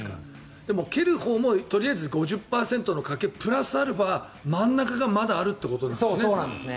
でも蹴るほうもとりあえず５０％の賭けプラスアルファ真ん中がまだあるということなんですね。